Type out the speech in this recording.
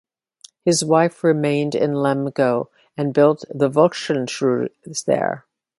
His wife remained in Lemgo and built the Volkshochschule there.